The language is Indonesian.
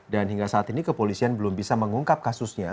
dan hingga saat ini kepolisian belum bisa mengungkap kasusnya